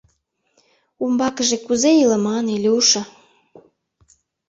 — Умбакыже кузе илыман, Илюша?